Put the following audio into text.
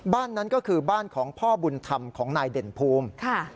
บ้านนั้นก็คือบ้านของพ่อบุญธรรมของนายเด่นภูมิ